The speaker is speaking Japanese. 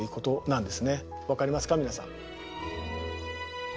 分かりますか皆さん。